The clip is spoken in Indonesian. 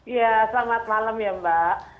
ya selamat malam ya mbak